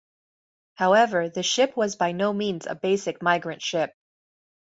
However, the ship was by no means a basic migrant ship.